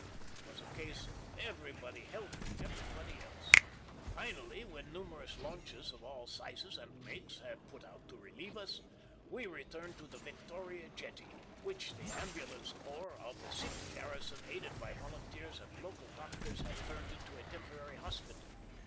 It was a case of everybody helping everybody else. "Finally, when numerous launches of all sizes and makes had put out to relieve us, we returned to the Victoria jetty, which the ambulance corps of the Sikh garrison, aided by volunteers and local doctors, had turned into a temporary hospital.